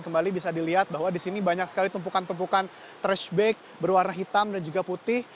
kembali bisa dilihat bahwa di sini banyak sekali tumpukan tumpukan trusthback berwarna hitam dan juga putih